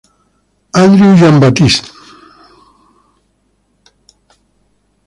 Andrew Jean-Baptiste